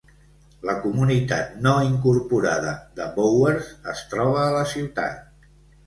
La comunitat no incorporada de Bowers es troba a la ciutat.